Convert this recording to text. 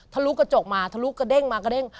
ทะลุกระจกมาทะลุกระเด้งมากระเด้ง